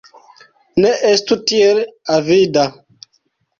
Ne estu tiel avida.